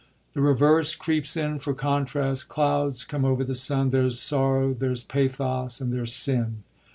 The reverse creeps in for contrast : clouds come over the sun ; there's sorrow, there's pathos and there's sin.